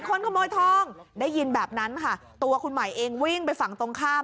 คนขโมยทองได้ยินแบบนั้นค่ะตัวคุณใหม่เองวิ่งไปฝั่งตรงข้าม